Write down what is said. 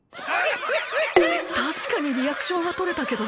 たしかにリアクションはとれたけど。